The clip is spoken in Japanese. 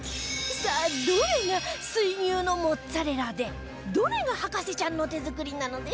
さあどれが水牛のモッツァレラでどれが博士ちゃんの手作りなのでしょう？